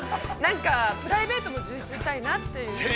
なんかプライベートも充実したいなっていう。